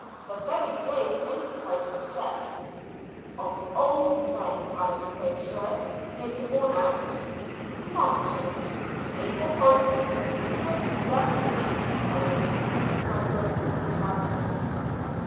"A very brave, enterprising set." "Of old men, I s'pose, sir, nearly worn out?" "Nonsense! Able bodied, vigorous, young and active fellows," cried Wilton decisively.